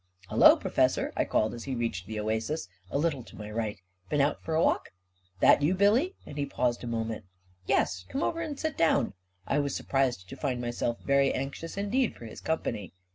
" Hello, Professor," I called, as he reached the oasis, a little to my right. " Been out for a walk? " 11 That you, Billy? " and he paused a moment. 11 Yes; come over and sit down." I was surprised to find myself very anxious indeed for his company